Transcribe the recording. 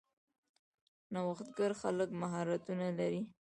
نوښتګر خلک مهارتونه لري.